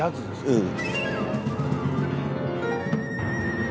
うん。